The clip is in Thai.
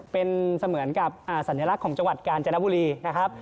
เป็นเสมือนกับสัญลักษณ์ของจังหวัดกาญจนบุรีนะครับ